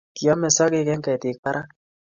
Kiame sokek eng ketik parak